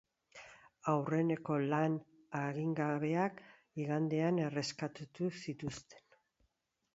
Aurreneko lau adingabeak igandean erreskatatu zituzten.